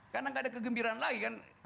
karena nggak ada kegembiraan lagi kan